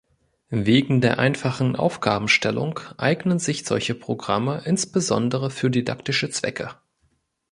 Wegen der einfachen Aufgabenstellung eignen sich solche Programme insbesondere für didaktische Zwecke.